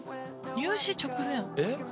入試直前？